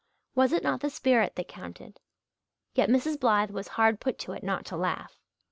Was it not the spirit that counted? Yet Mrs. Blythe was hard put to it not to laugh.